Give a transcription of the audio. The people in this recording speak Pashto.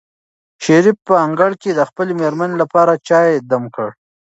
شریف په انګړ کې د خپلې مېرمنې لپاره چای دم کړ.